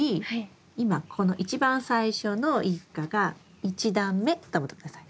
今この一番最初の一果が１段目と思って下さい。